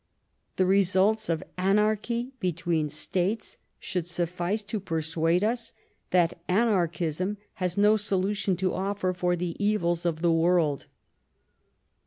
The results of anarchy between states should suffice to persuade us that anarchism has no solution to offer for the evils of the world.